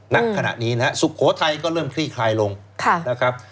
ณขณะนี้นะฮะสุโขทัยก็เริ่มคลี่คลายลงนะครับ